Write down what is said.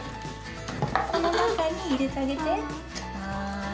この中に入れてあげて。